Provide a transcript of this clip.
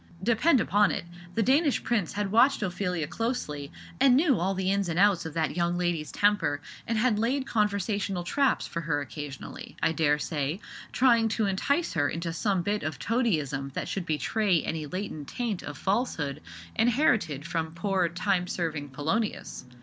Depend upon it, the Danish prince had watched Ophelia closely, and knew all the ins and outs of that young lady's temper, and had laid conversational traps for her occasionally, I dare say, trying to entice her into some bit of toadyism that should betray any latent taint of falsehood inherited from poor time serving Polonius.